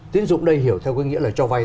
tín dụng đây hiểu theo cái nghĩa là cho vay